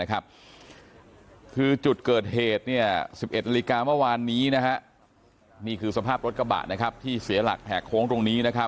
คือจุดเกิดเหตุ๑๑นาฬิกาเมื่อวานนี้นี่คือสภาพรถกระบะที่เสียหลักแหกโค้งตรงนี้